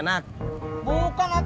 pakan apa lu